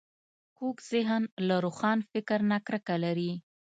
کوږ ذهن له روښان فکر نه کرکه لري